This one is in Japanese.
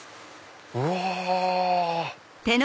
うわ！